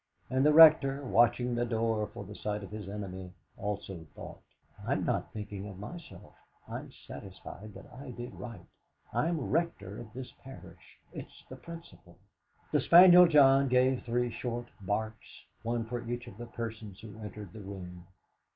And the Rector, watching the door for the sight of his enemy, also thought: '.'m not thinking of myself I'm satisfied that I did right I'm Rector of this parish it's the principle.' The spaniel John gave three short barks, one for each of the persons who entered the room.